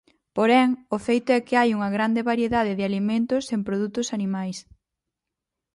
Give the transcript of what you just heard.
Porén, o feito é que hai unha grande variedade de alimentos sen produtos animais.